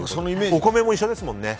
お米も一緒ですもんね。